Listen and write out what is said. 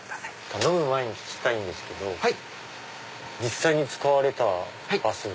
頼む前に聞きたいんですけど実際に使われたバス。